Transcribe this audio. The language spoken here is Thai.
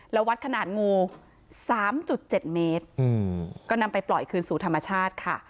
แล้ววัดขนาดงูสามจุดเจ็ดเมตรอืมก็นำไปปล่อยคืนสู่ธรรมชาติค่ะ